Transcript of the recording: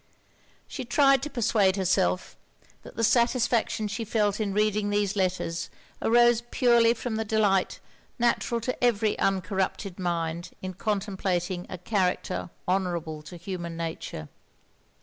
She tried to persuade herself, that the satisfaction she felt in reading these letters arose purely from the delight natural to every uncorrupted mind in contemplating a character honourable to human nature.